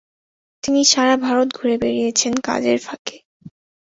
তিনি সারা ভারত ঘুরে বেড়িয়েছেন কাজের ফাঁকে।